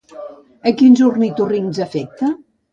A quins ornitorrincs afecta?